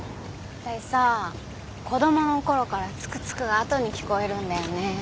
私さ子供のころから「ツクツク」が後に聞こえるんだよね。